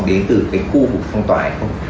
có đến từ cái khu vùng phong tỏa hay không